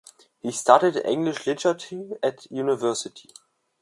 He studied English literature at university.